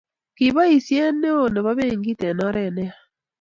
kiboishe neo nebo benkit en oret neya